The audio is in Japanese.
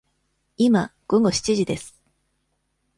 今、午後七時です。